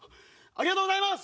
ありがとうございます！